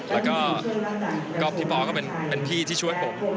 แล้วก็กรอบทิพอร์ก็เป็นพี่ที่ช่วยผม